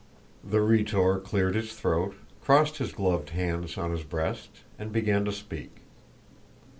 The Rhetor cleared his throat, crossed his gloved hands on his breast, and began to speak.